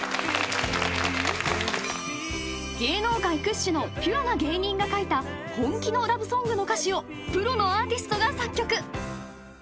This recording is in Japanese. ［芸能界屈指のピュアな芸人が書いた本気のラブソングの歌詞をプロのアーティストが作曲］